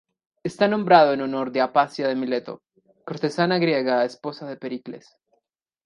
Está nombrado en honor de Aspasia de Mileto, cortesana griega esposa de Pericles.